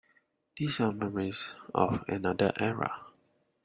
These are memories of another era.